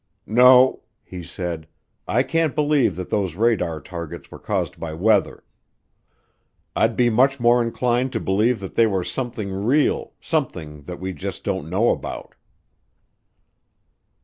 "No," he said, "I can't believe that those radar targets were caused by weather. I'd be much more inclined to believe that they were something real, something that we just don't know about."